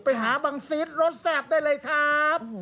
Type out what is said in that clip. ไปหาบังซีดรสแซ่บได้เลยครับ